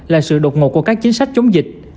là sự đột ngột của các chính sách chống dịch